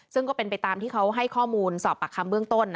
ซึ่งก็เป็นไปตามที่เขาให้ข้อมูลสอบปากคำเบื้องต้น